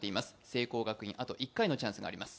聖光学院、あと１回のチャンスがあります。